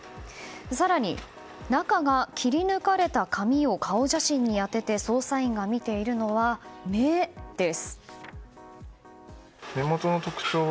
更に、中が切り抜かれた紙を顔写真に当てて捜査員が見ているのは目です。